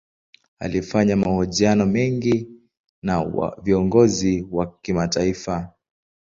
Alifanya mahojiano mengi na viongozi wa kimataifa.